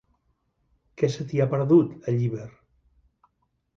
Què se t'hi ha perdut, a Llíber?